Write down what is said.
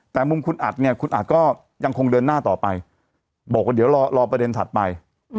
แต่มุมคุณอัดเนี่ยคุณอัดก็ยังคงเดินหน้าต่อไปบอกว่าเดี๋ยวรอประเด็นถัดไป